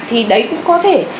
thì đấy cũng có thể